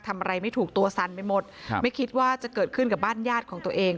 ทำอะไรไม่ถูกตัวสั่นไปหมดครับไม่คิดว่าจะเกิดขึ้นกับบ้านญาติของตัวเอง